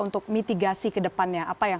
untuk mitigasi ke depannya apa yang